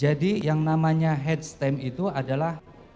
jadi yang namanya head stamp itu adalah